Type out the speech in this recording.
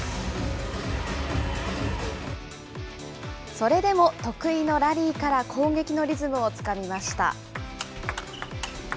それでも得意のラリーから攻撃のリズムをつかみました。